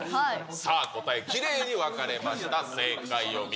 さあ、答え、きれいに分かれました。